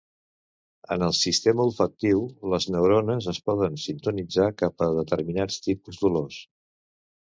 En el sistema olfactiu, les neurones es poden sintonitzar cap a determinats tipus d'olors.